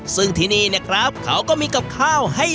ซึ่งที่นี่เนี่ยครับ